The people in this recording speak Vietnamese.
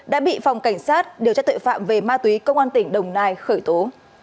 đã bị phòng cảnh sát điều tra tội phạm về ma túy công an tỉnh đồng nai khởi tố